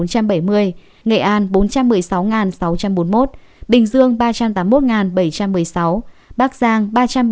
hà nội một năm trăm hai mươi bốn hai trăm bảy mươi ba tp hcm sáu trăm một mươi sáu sáu trăm bốn mươi một bình dương ba trăm tám mươi một bảy trăm một mươi sáu bắc giang ba trăm bảy mươi năm năm trăm tám mươi bốn